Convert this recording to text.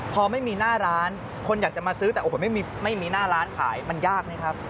พอไม่มีหน้าร้านคนอยากจะมาซื้อแต่โอ้โหไม่มีหน้าร้านขายมันยากนะครับ